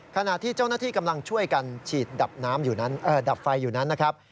ขณะที่เจ้าหน้าที่กำลังช่วยกันฉีดดับน้ำดับไฟอยู่นั้นนะครับ